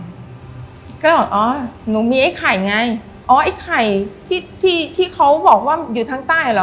ก็เลยบอกอ๋อหนูมีไอ้ไข่ไงอ๋อไอ้ไข่ที่ที่เขาบอกว่าอยู่ทางใต้เหรอ